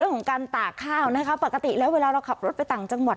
เรื่องของการตากข้าวนะคะปกติแล้วเวลาเราขับรถไปต่างจังหวัด